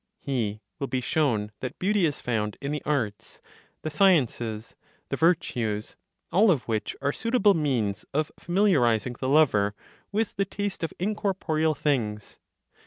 He will be shown that beauty is found in the arts, the sciences, the virtues, all of which are suitable means of familiarizing the lover with the taste of incorporeal things.